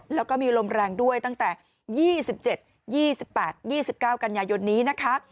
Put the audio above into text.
แล้วก็มีลมแรงด้วยตั้งแต่๒๗๒๘๒๙กันยายนนี้นะคะ